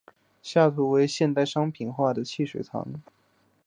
下图为现代商品化的汽水糖。